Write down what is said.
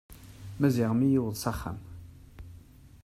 Maziɣ mi yewweḍ s axxam.